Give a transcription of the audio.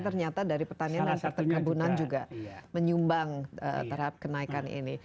ternyata dari pertanian dan perkebunan juga menyumbang terhadap kenaikan ini